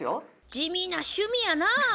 地味な趣味やなぁ。